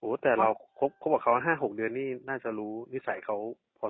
โหแต่เราพบพบกับเขาห้าหกเดือนนี่น่าจะรู้นิสัยเขาพอสมควรนะฮะ